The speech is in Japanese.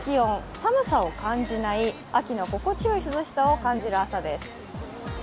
寒さを感じない秋の心地よい涼しさを感じる朝です。